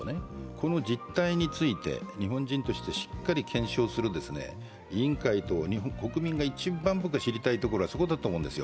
この実態について日本人としてしっかり検証する委員会と、国民が一番知りたいところはそこだと思うんですよ。